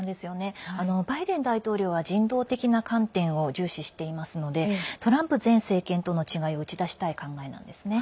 バイデン大統領は人道的な観点を重視していますのでトランプ前政権との違いを打ち出したい考えなんですね。